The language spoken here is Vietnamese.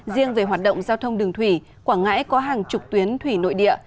riêng về hoạt động giao thông đường thủy quảng ngãi có hàng chục tuyến thủy nội địa